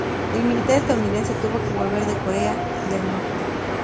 El militar estadounidense tuvo que volver de Corea del Norte.